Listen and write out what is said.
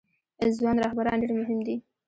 ځوان رهبران ډیر مهم دي